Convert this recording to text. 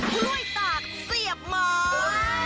กล้วยตากเสียบไม้